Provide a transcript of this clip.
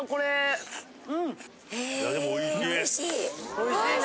おいしいな。